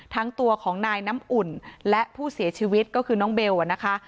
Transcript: ทั้งตัวของนายน้ำอุ่นและผู้เสียชีวิตก็คือน้องเบลนะคะ